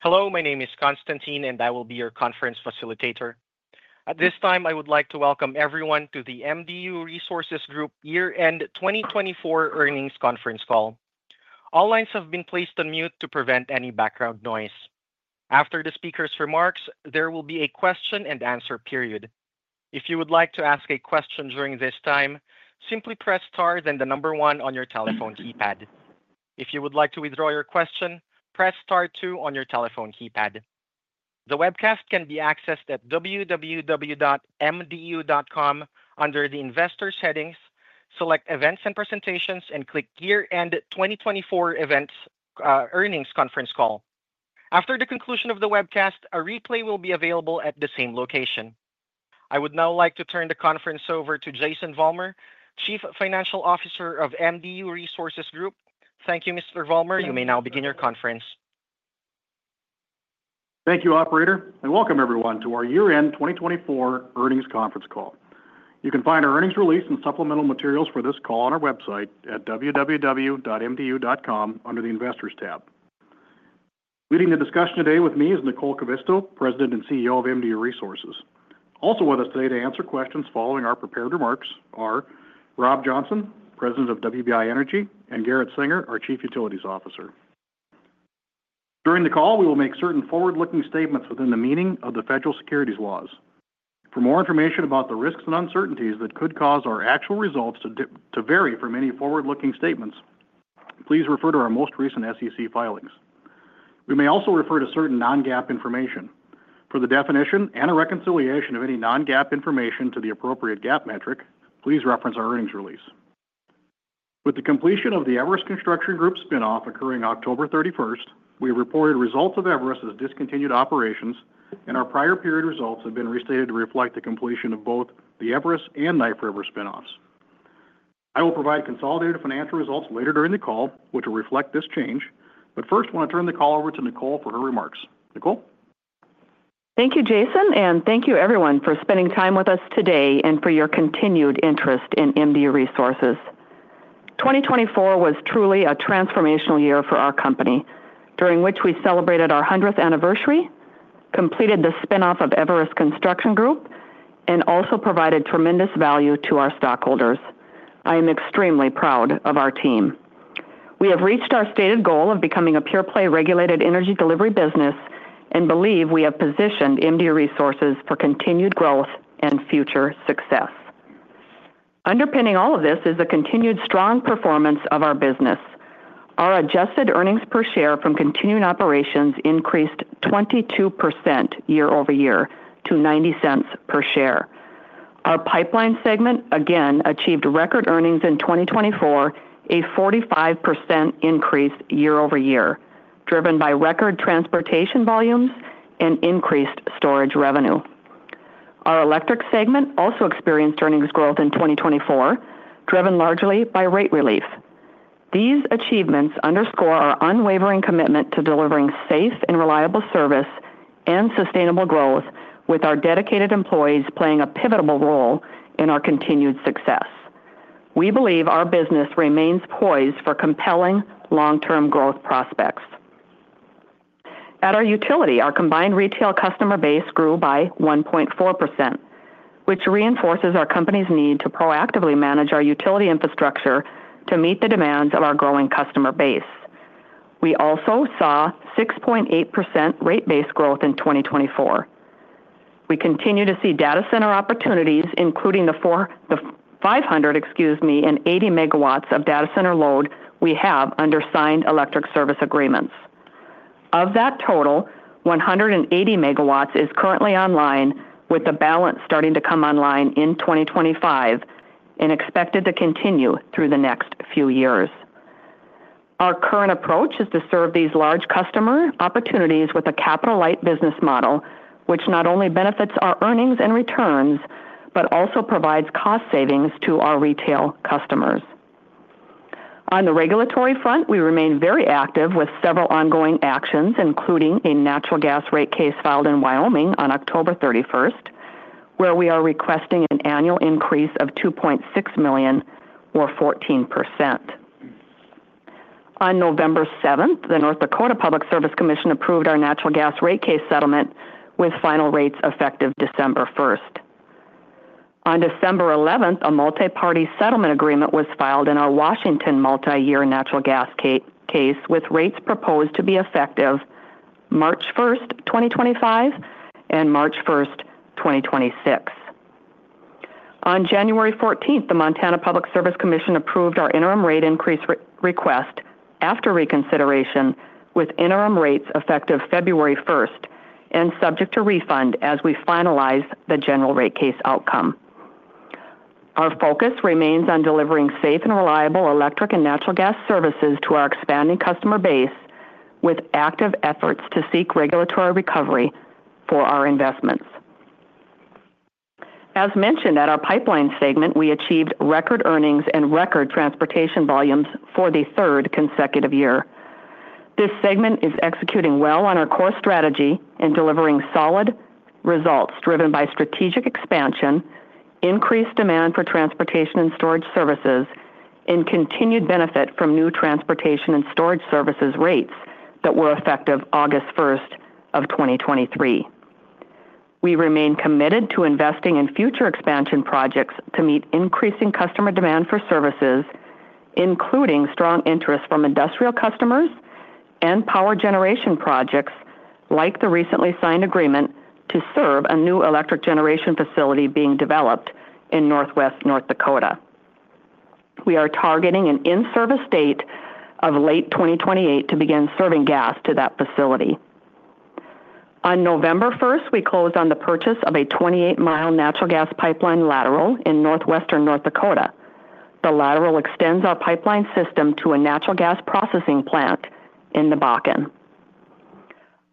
Hello, my name is Konstantin, and I will be your conference facilitator. At this time, I would like to welcome everyone to the MDU Resources Group Year-End 2024 Earnings conference call. All lines have been placed on mute to prevent any background noise. After the speaker's remarks, there will be a question-and-answer period. If you would like to ask a question during this time, simply press star then the number one on your telephone keypad. If you would like to withdraw your question, press star two on your telephone keypad. The webcast can be accessed at www.MDU.com under the Investor Settings, select Events and Presentations, and click Year-End 2024 Earnings conference call. After the conclusion of the webcast, a replay will be available at the same location. I would now like to turn the conference over to Jason Vollmer, Chief Financial Officer of MDU Resources Group. Thank you, Mr. Vollmer. You may now begin your conference. Thank you, Operator, and welcome everyone to our Year-End 2024 Earnings conference call. You can find our earnings release and supplemental materials for this call on our website at www.MDU.com under the Investors tab. Leading the discussion today with me is Nicole Kivisto, President and CEO of MDU Resources. Also with us today to answer questions following our prepared remarks are Rob Johnson, President of WBI Energy, and Garret Senger, our Chief Utilities Officer. During the call, we will make certain forward-looking statements within the meaning of the federal securities laws. For more information about the risks and uncertainties that could cause our actual results to vary from any forward-looking statements, please refer to our most recent SEC filings. We may also refer to certain non-GAAP information. For the definition and/or reconciliation of any non-GAAP information to the appropriate GAAP metric, please reference our earnings release. With the completion of the Everus Construction Group spinoff occurring October 31st, we have reported results of Everus as discontinued operations, and our prior period results have been restated to reflect the completion of both the Everus and Knife River spinoffs. I will provide consolidated financial results later during the call, which will reflect this change, but first want to turn the call over to Nicole for her remarks. Nicole? Thank you, Jason, and thank you everyone for spending time with us today and for your continued interest in MDU Resources. 2024 was truly a transformational year for our company, during which we celebrated our 100th anniversary, completed the spinoff of Everus Construction Group, and also provided tremendous value to our stockholders. I am extremely proud of our team. We have reached our stated goal of becoming a pure-play regulated energy delivery business and believe we have positioned MDU Resources for continued growth and future success. Underpinning all of this is the continued strong performance of our business. Our adjusted earnings per share from Continuing Operations increased 22% year-over-year to $0.90 per share. Our Pipeline segment again achieved record earnings in 2024, a 45% increase year-over-year, driven by record transportation volumes and increased storage revenue. Our Electric segment also experienced earnings growth in 2024, driven largely by rate relief. These achievements underscore our unwavering commitment to delivering safe and reliable service and sustainable growth, with our dedicated employees playing a pivotal role in our continued success. We believe our business remains poised for compelling long-term growth prospects. At our utility, our combined retail customer base grew by 1.4%, which reinforces our company's need to proactively manage our utility infrastructure to meet the demands of our growing customer base. We also saw 6.8% rate-based growth in 2024. We continue to see data center opportunities, including the 500, excuse me, and 80 MW of data center load we have under signed electric service agreements. Of that total, 180 MW is currently online, with the balance starting to come online in 2025 and expected to continue through the next few years. Our current approach is to serve these large customer opportunities with a capital-light business model, which not only benefits our earnings and returns but also provides cost savings to our retail customers. On the regulatory front, we remain very active with several ongoing actions, including a natural gas rate case filed in Wyoming on October 31st, where we are requesting an annual increase of $2.6 million, or 14%. On November 7th, the North Dakota Public Service Commission approved our natural gas rate case settlement, with final rates effective December 1st. On December 11th, a multi-party settlement agreement was filed in our Washington multi-year natural gas case, with rates proposed to be effective March 1st, 2025, and March 1st, 2026. On January 14th, the Montana Public Service Commission approved our interim rate increase request after reconsideration, with interim rates effective February 1st and subject to refund as we finalize the general rate case outcome. Our focus remains on delivering safe and reliable electric and natural gas services to our expanding customer base, with active efforts to seek regulatory recovery for our investments. As mentioned at our Pipeline segment, we achieved record earnings and record transportation volumes for the third consecutive year. This segment is executing well on our core strategy and delivering solid results driven by strategic expansion, increased demand for transportation and storage services, and continued benefit from new transportation and storage services rates that were effective August 1st of 2023. We remain committed to investing in future expansion projects to meet increasing customer demand for services, including strong interest from industrial customers and power generation projects like the recently signed agreement to serve a new electric generation facility being developed in northwest North Dakota. We are targeting an in-service date of late 2028 to begin serving gas to that facility. On November 1st, we closed on the purchase of a 28-mile natural gas pipeline lateral in northwestern North Dakota. The lateral extends our pipeline system to a natural gas processing plant in the Bakken.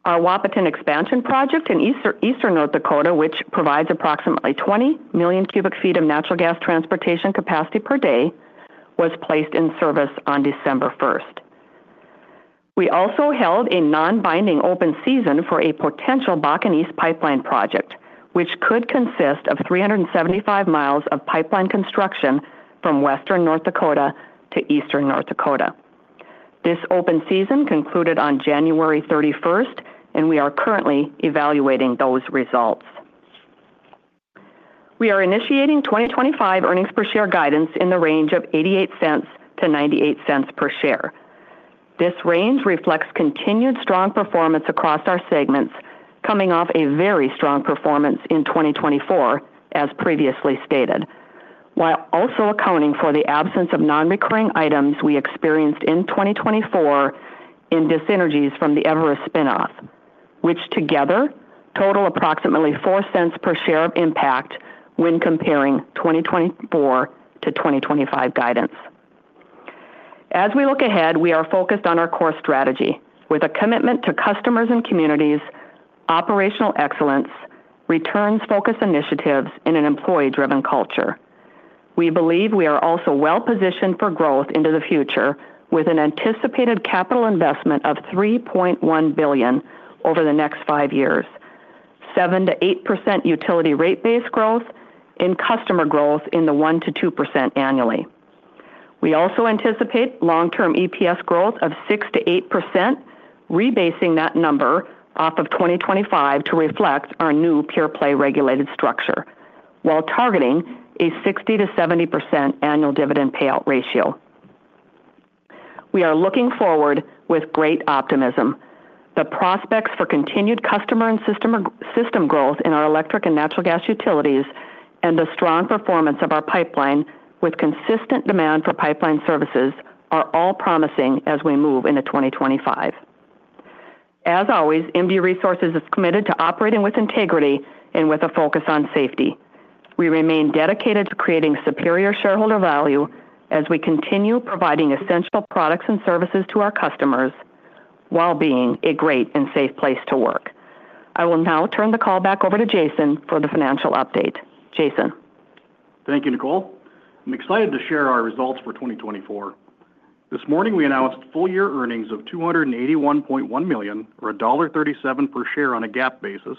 Our Wahpeton Expansion Project in eastern North Dakota, which provides approximately 20 million cu ft of natural gas transportation capacity per day, was placed in service on December 1st. We also held a non-binding open season for a potential Bakken East Pipeline Project, which could consist of 375 mi of pipeline construction from western North Dakota to eastern North Dakota. This open season concluded on January 31st, and we are currently evaluating those results. We are initiating 2025 earnings per share guidance in the range of $0.88-$0.98 per share. This range reflects continued strong performance across our segments, coming off a very strong performance in 2024, as previously stated, while also accounting for the absence of non-recurring items we experienced in 2024 and dissynergies from the Everus spinoff, which together total approximately $0.04 per share of impact when comparing 2024 to 2025 guidance. As we look ahead, we are focused on our core strategy with a commitment to customers and communities, operational excellence, returns-focused initiatives, and an employee-driven culture. We believe we are also well-positioned for growth into the future with an anticipated capital investment of $3.1 billion over the next five years, 7%-8% utility rate-based growth, and customer growth in the 1%-2% annually. We also anticipate long-term EPS growth of 6%-8%, rebasing that number off of 2025 to reflect our new pure-play regulated structure while targeting a 60%-70% annual dividend payout ratio. We are looking forward with great optimism. The prospects for continued customer and system growth in our electric and natural gas utilities and the strong performance of our pipeline with consistent demand for pipeline services are all promising as we move into 2025. As always, MDU Resources is committed to operating with integrity and with a focus on safety. We remain dedicated to creating superior shareholder value as we continue providing essential products and services to our customers while being a great and safe place to work. I will now turn the call back over to Jason for the financial update. Jason. Thank you, Nicole. I'm excited to share our results for 2024. This morning, we announced full-year earnings of $281.1 million, or $1.37 per share on a GAAP basis,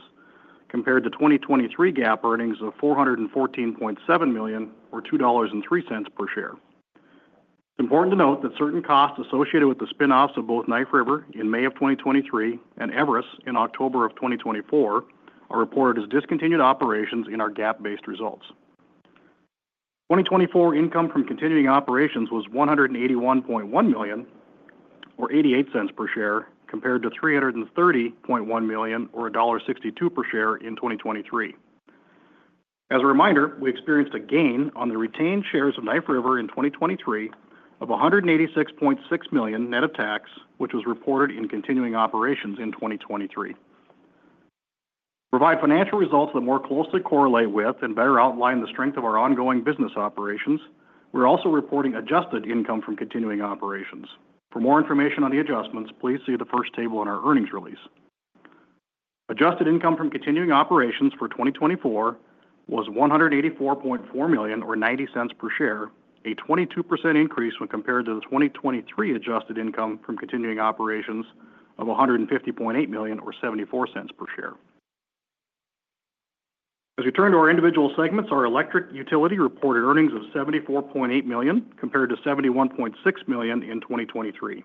compared to 2023 GAAP earnings of $414.7 million, or $2.03 per share. It's important to note that certain costs associated with the spinoffs of both Knife River in May of 2023 and Everus in October of 2024 are reported as discontinued operations in our GAAP-based results. 2024 income from Continuing Operations was $181.1 million, or $0.88 per share, compared to $330.1 million, or $1.62 per share in 2023. As a reminder, we experienced a gain on the retained shares of Knife River in 2023 of $186.6 million net of tax, which was reported in Continuing Operations in 2023. To provide financial results that more closely correlate with and better outline the strength of our ongoing business operations, we're also reporting adjusted income from Continuing Operations. For more information on the adjustments, please see the first table in our earnings release. Adjusted income from Continuing Operations for 2024 was $184.4 million, or $0.90 per share, a 22% increase when compared to the 2023 adjusted income from Continuing Operations of $150.8 million, or $0.74 per share. As we turn to our individual segments, our electric utility reported earnings of $74.8 million compared to $71.6 million in 2023.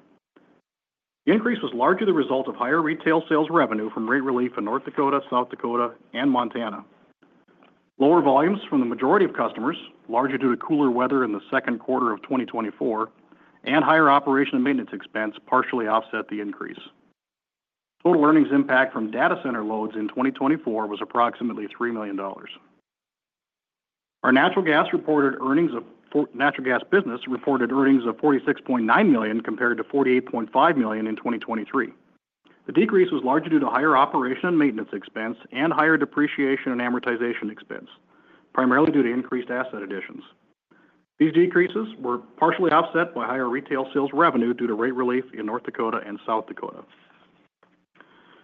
The increase was largely the result of higher retail sales revenue from rate relief in North Dakota, South Dakota, and Montana. Lower volumes from the majority of customers, largely due to cooler weather in the second quarter of 2024, and higher operation and maintenance expense partially offset the increase. Total earnings impact from data center loads in 2024 was approximately $3 million. Our natural gas business reported earnings of $46.9 million compared to $48.5 million in 2023. The decrease was largely due to higher operation and maintenance expense and higher depreciation and amortization expense, primarily due to increased asset additions. These decreases were partially offset by higher retail sales revenue due to rate relief in North Dakota and South Dakota.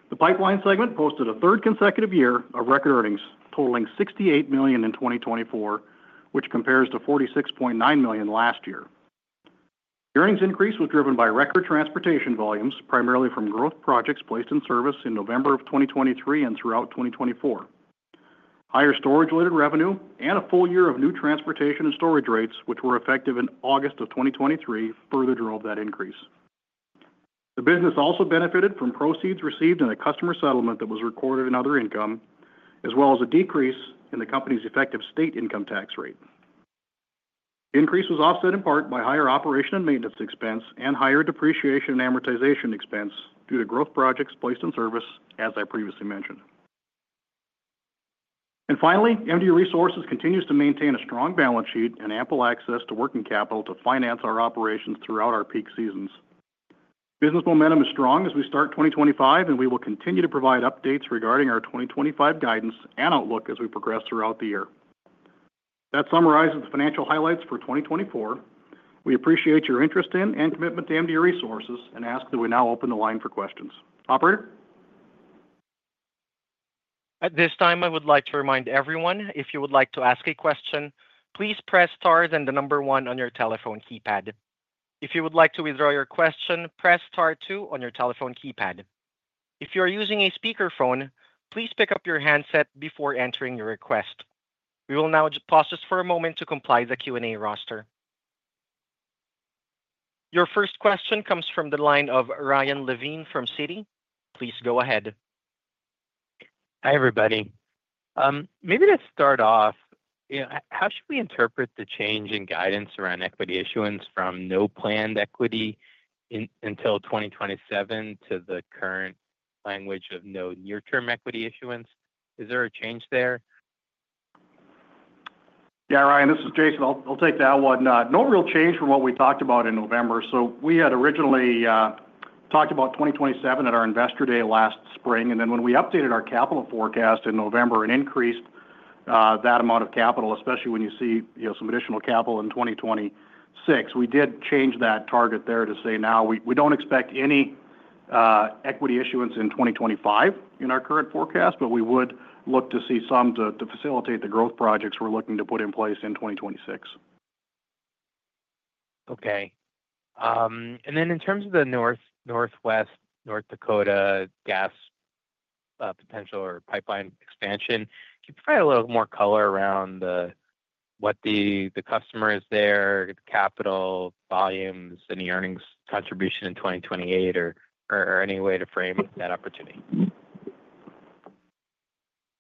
The Pipeline segment posted a third consecutive year of record earnings totaling $68 million in 2024, which compares to $46.9 million last year. The earnings increase was driven by record transportation volumes, primarily from growth projects placed in service in November of 2023 and throughout 2024. Higher storage-related revenue and a full year of new transportation and storage rates, which were effective in August of 2023, further drove that increase. The business also benefited from proceeds received in a customer settlement that was recorded in other income, as well as a decrease in the company's effective state income tax rate. The increase was offset in part by higher operation and maintenance expense and higher depreciation and amortization expense due to growth projects placed in service, as I previously mentioned, and finally, MDU Resources continues to maintain a strong balance sheet and ample access to working capital to finance our operations throughout our peak seasons. Business momentum is strong as we start 2025, and we will continue to provide updates regarding our 2025 guidance and outlook as we progress throughout the year. That summarizes the financial highlights for 2024. We appreciate your interest in and commitment to MDU Resources and ask that we now open the line for questions. Operator? At this time, I would like to remind everyone, if you would like to ask a question, please press star and the number one on your telephone keypad. If you would like to withdraw your question, press star two on your telephone keypad. If you are using a speakerphone, please pick up your handset before entering your request. We will now pause just for a moment to compile the Q&A roster. Your first question comes from the line of Ryan Levine from Citi. Please go ahead. Hi, everybody. Maybe to start off, how should we interpret the change in guidance around equity issuance from no planned equity until 2027 to the current language of no near-term equity issuance? Is there a change there? Yeah, Ryan, this is Jason. I'll take that one. No real change from what we talked about in November. We had originally talked about 2027 at our investor day last spring, and then when we updated our capital forecast in November and increased that amount of capital, especially when you see some additional capital in 2026, we did change that target there to say now we don't expect any equity issuance in 2025 in our current forecast, but we would look to see some to facilitate the growth projects we're looking to put in place in 2026. Okay. And then in terms of the northwest North Dakota gas potential or pipeline expansion, can you provide a little more color around what the customer is there, capital, volumes, any earnings contribution in 2028, or any way to frame that opportunity?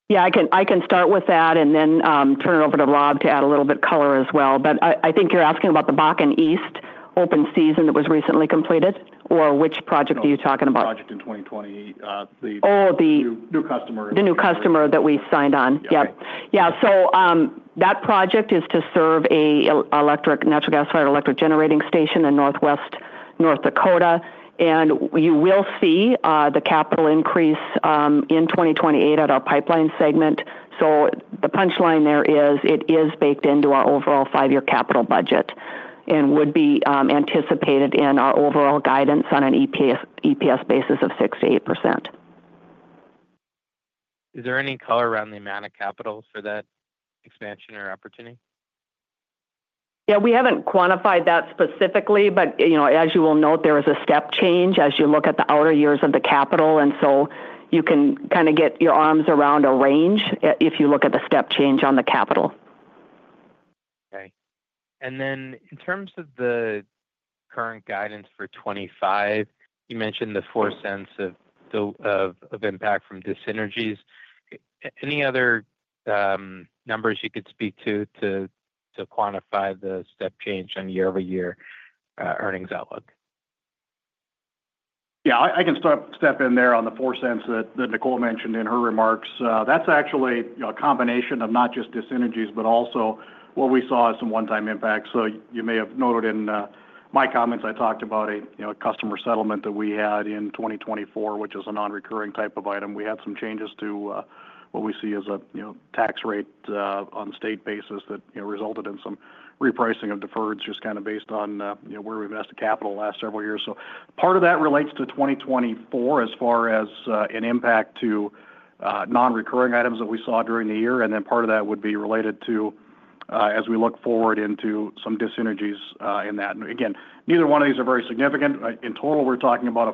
Yeah, I can start with that and then turn it over to Rob to add a little bit of color as well. But I think you're asking about the Bakken East open season that was recently completed, or which project are you talking about? The new project in 2020. The new customer. Oh, the new customer that we signed on. Yep. Yeah. That project is to serve a electric natural gas-fired generating station in Northwest North Dakota. We will see the capital increase in 2028 at our Pipeline segment. The punchline there is it is baked into our overall five-year capital budget and would be anticipated in our overall guidance on an EPS basis of 68%. Is there any color around the amount of capital for that expansion or opportunity? Yeah, we haven't quantified that specifically, but as you will note, there is a step change as you look at the outer years of the capital. And so you can kind of get your arms around a range if you look at the step change on the capital. Okay. In terms of the current guidance for 2025, you mentioned the $0.04 of impact from dissynergies. Any other numbers you could speak to to quantify the step change on year-over-year earnings outlook? Yeah, I can step in there on the $0.04 that Nicole mentioned in her remarks. That's actually a combination of not just dissynergies, but also what we saw as some one-time impacts. You may have noted in my comments, I talked about a customer settlement that we had in 2024, which is a non-recurring type of item. We had some changes to what we see as a tax rate on a state basis that resulted in some repricing of deferreds just kind of based on where we've invested capital the last several years. Part of that relates to 2024 as far as an impact to non-recurring items that we saw during the year, and then part of that would be related to as we look forward into some dissynergies in that. Again, neither one of these are very significant. In total, we're talking about a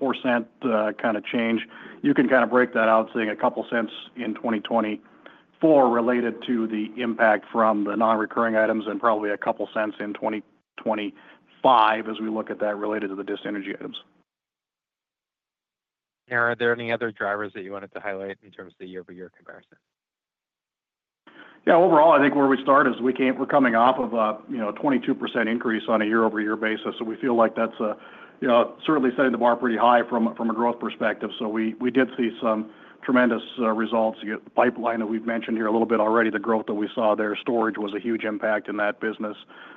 $0.04 kind of change. You can kind of break that out, saying a couple cents in 2024 related to the impact from the non-recurring items and probably a couple cents in 2025 as we look at that related to the dissynergy items. Are there any other drivers that you wanted to highlight in terms of the year-over-year comparison? Yeah, overall, I think where we start is we're coming off of a 22% increase on a year-over-year basis. We feel like that's certainly setting the bar pretty high from a growth perspective. We did see some tremendous results. You get the pipeline that we've mentioned here a little bit already, the growth that we saw there. Storage was a huge impact in that business.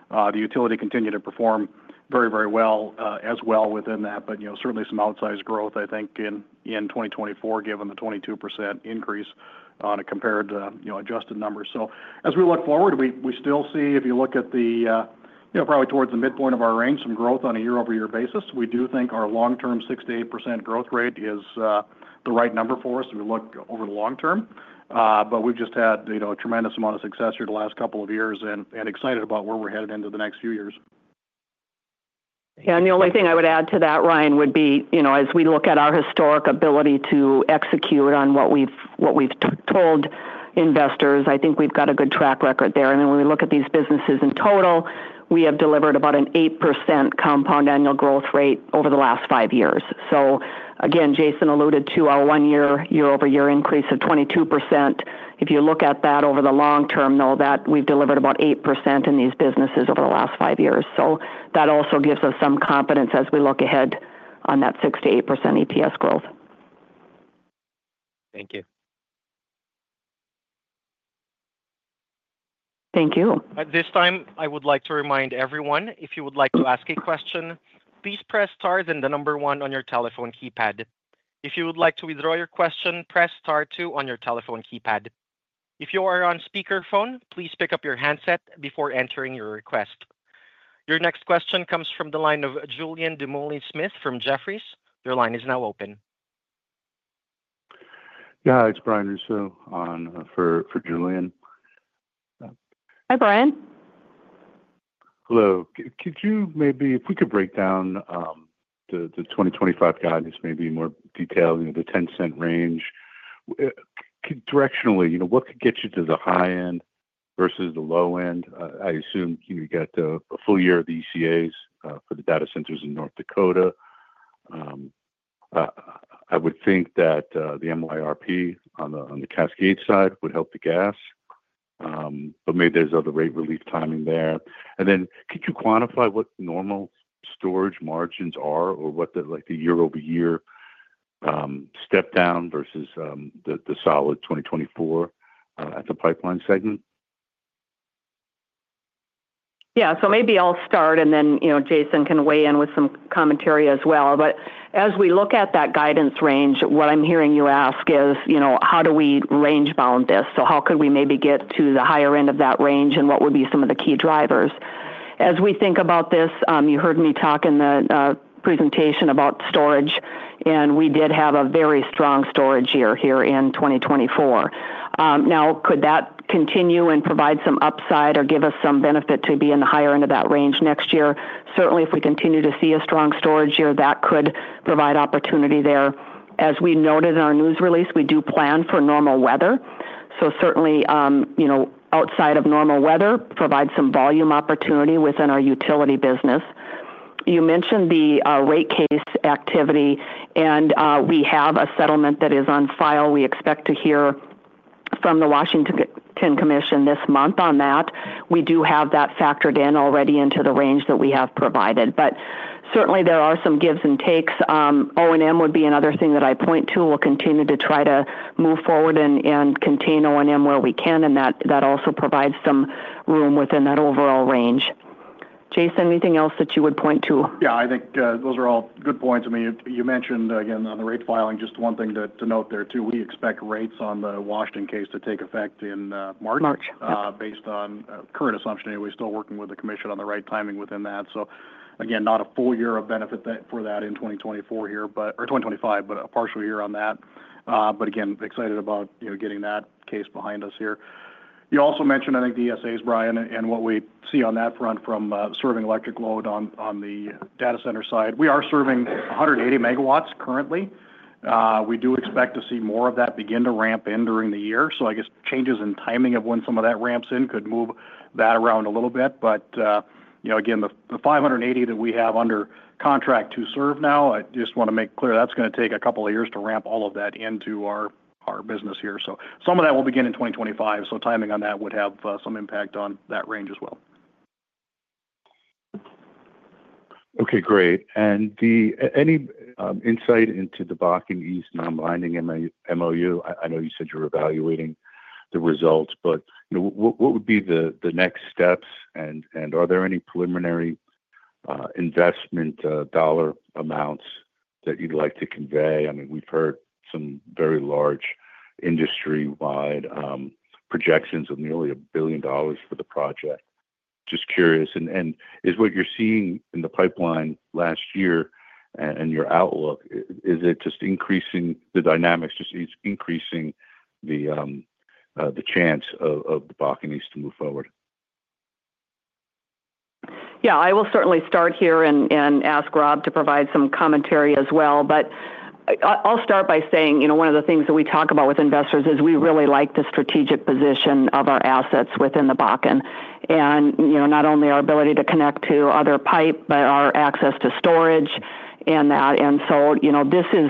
The utility continued to perform very, very well as well within that, but certainly some outsized growth, I think, in 2024, given the 22% increase compared to adjusted numbers. So as we look forward, we still see, if you look at the probably towards the midpoint of our range, some growth on a year-over-year basis. We do think our long-term 68% growth rate is the right number for us if we look over the long term. But we've just had a tremendous amount of success here the last couple of years, and excited about where we're headed into the next few years. Yeah, and the only thing I would add to that, Ryan, would be as we look at our historic ability to execute on what we've told investors, I think we've got a good track record there. And then when we look at these businesses in total, we have delivered about an 8% compound annual growth rate over the last five years. Again, Jason alluded to our one-year year-over-year increase of 22%. If you look at that over the long term, though, that we've delivered about 8% in these businesses over the last five years. That also gives us some confidence as we look ahead on that 68% EPS growth. Thank you. Thank you. At this time, I would like to remind everyone, if you would like to ask a question, please press star and the number one on your telephone keypad. If you would like to withdraw your question, press star two on your telephone keypad. If you are on speakerphone, please pick up your handset before entering your request. Your next question comes from the line of Julien Dumoulin-Smith from Jefferies. Your line is now open. Yeah, it's Brian Russo for Julien. Hi, Brian. Hello. Could you maybe, if we could break down the 2025 guidance maybe in more detail, the $0.10 range, directionally, what could get you to the high end versus the low end? I assume you got a full year of the ESAs for the data centers in North Dakota. I would think that the MYRP on the Cascade side would help the gas, but maybe there's other rate relief timing there. And then could you quantify what normal storage margins are or what the year-over-year step down versus the solid 2024 at the Pipeline segment? Yeah, so maybe I'll start and then Jason can weigh in with some commentary as well. But as we look at that guidance range, what I'm hearing you ask is, how do we range-bound this? How could we maybe get to the higher end of that range and what would be some of the key drivers? As we think about this, you heard me talk in the presentation about storage, and we did have a very strong storage year here in 2024. Now, could that continue and provide some upside or give us some benefit to be in the higher end of that range next year? Certainly, if we continue to see a strong storage year, that could provide opportunity there. As we noted in our news release, we do plan for normal weather. Certainly, outside of normal weather, provide some volume opportunity within our utility business. You mentioned the rate case activity, and we have a settlement that is on file. We expect to hear from the Washington Utilities and Transportation Commission this month on that. We do have that factored in already into the range that we have provided. But certainly, there are some give-and-takes. O&M would be another thing that I point to. We'll continue to try to move forward and contain O&M where we can, and that also provides some room within that overall range. Jason, anything else that you would point to? Yeah, I think those are all good points. I mean, you mentioned, again, on the rate filing, just one thing to note there too. We expect rates on the Washington case to take effect in March. March. Based on current assumption, anyway, still working with the commission on the right timing within that. Again, not a full year of benefit for that in 2024 here, or 2025, but a partial year on that. But again, excited about getting that case behind us here. You also mentioned, I think, the ECAs, Brian, and what we see on that front from serving electric load on the data center side. We are serving 180 MW currently. We do expect to see more of that begin to ramp in during the year. I guess changes in timing of when some of that ramps in could move that around a little bit. But again, the 580 MW that we have under contract to serve now, I just want to make clear that's going to take a couple of years to ramp all of that into our business here. Some of that will begin in 2025. So timing on that would have some impact on that range as well. Okay, great. And any insight into the Bakken East non-binding MOU? I know you said you're evaluating the results, but what would be the next steps? Are there any preliminary investment dollar amounts that you'd like to convey? I mean, we've heard some very large industry-wide projections of nearly $1 billion for the project. Just curious. And is what you're seeing in the pipeline last year and your outlook, is it just increasing the dynamics, just increasing the chance of the Bakken East to move forward? Yeah, I will certainly start here and ask Rob to provide some commentary as well. I'll start by saying one of the things that we talk about with investors is we really like the strategic position of our assets within the Bakken. And not only our ability to connect to other pipe, but our access to storage and that. This is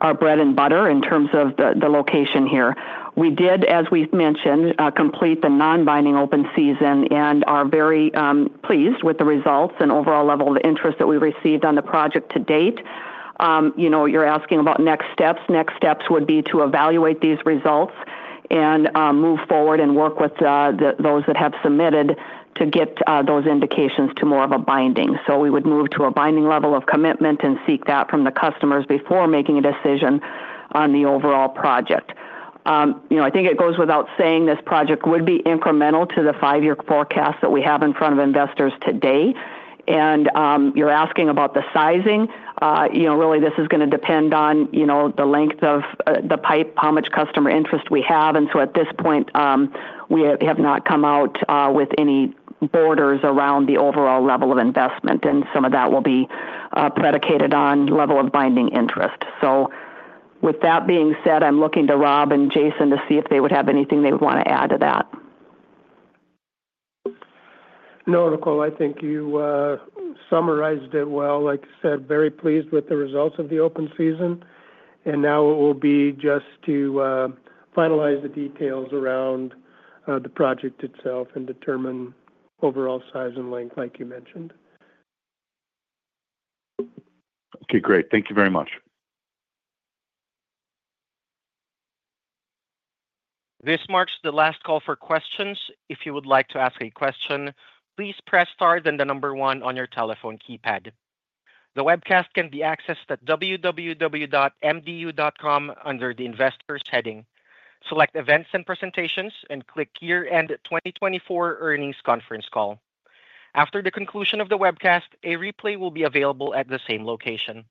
our bread and butter in terms of the location here. We did, as we mentioned, complete the non-binding open season and are very pleased with the results and overall level of interest that we received on the project to date. You're asking about next steps. Next steps would be to evaluate these results and move forward and work with those that have submitted to get those indications to more of a binding. We would move to a binding level of commitment and seek that from the customers before making a decision on the overall project. I think it goes without saying this project would be incremental to the five-year forecast that we have in front of investors today. And you're asking about the sizing. Really, this is going to depend on the length of the pipe, how much customer interest we have. And so at this point, we have not come out with any borders around the overall level of investment. Some of that will be predicated on level of binding interest. With that being said, I'm looking to Rob and Jason to see if they would have anything they would want to add to that. No, Nicole, I think you summarized it well. Like I said, very pleased with the results of the open season. Now it will be just to finalize the details around the project itself and determine overall size and length, like you mentioned. Okay, great. Thank you very much. This marks the last call for questions. If you would like to ask a question, please press star and the number one on your telephone keypad. The webcast can be accessed at www.MDU.com under the Investors heading. Select Events and Presentations and click Year-End 2024 Earnings Conference Call. After the conclusion of the webcast, a replay will be available at the same location.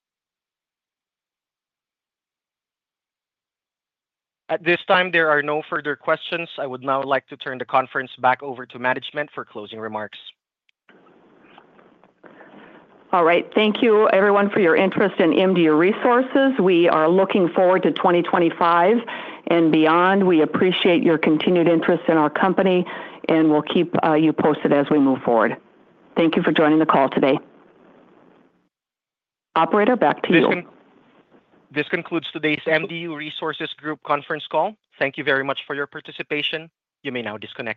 At this time, there are no further questions. I would now like to turn the conference back over to management for closing remarks. All right. Thank you, everyone, for your interest in MDU Resources. We are looking forward to 2025 and beyond. We appreciate your continued interest in our company and will keep you posted as we move forward. Thank you for joining the call today. Operator, back to you. This concludes today's MDU Resources Group Conference Call. Thank you very much for your participation. You may now disconnect.